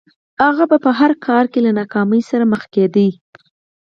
هغه به په هر کار کې له ناکامۍ سره مخ کېده